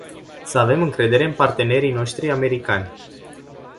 Să avem încredere în partenerii noștri americani.